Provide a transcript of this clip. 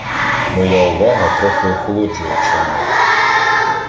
Моя увага трохи охолоджує Чорноту.